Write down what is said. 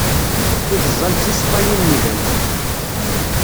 Tigeẓẓal d tiṣeffayin n yidammen.